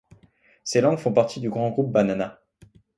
Ces langues font partie du grand groupe Banana.